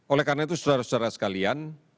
oleh karena itu saudara saudara sekalian